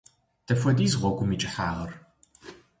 Дапхуэдиз гъуэгум и кӏыхьагъыр?